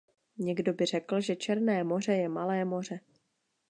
Někdo by řekl, že Černé moře je malé moře.